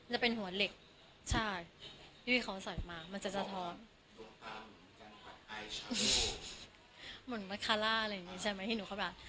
จะเป็นหัวเหล็กใช่พี่เขาใส่มามันจะสะท้อนเหมือนมะคาร่าอะไรอย่างนี้ใช่ไหมที่หนูเข้าไป